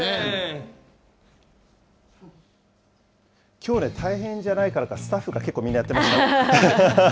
きょうね、大変じゃないからか、スタッフが結構みんなやってました。